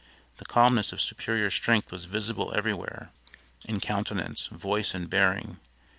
The calmness of superior strength was visible everywhere; in countenance, voice and bearing.